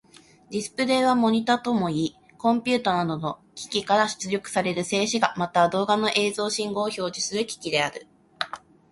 ディスプレイはモニタともいい、コンピュータなどの機器から出力される静止画、または動画の映像信号を表示する機器である。